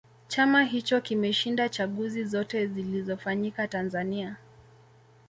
chama hicho kimeshinda chaguzi zote zilizofanyika tanzania